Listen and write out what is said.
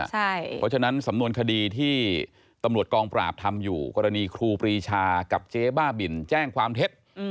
เพราะฉะนั้นสำนวนคดีที่ตำรวจกองปราบทำอยู่กรณีครูปรีชากับเจ๊บ้าบินแจ้งความเท็จ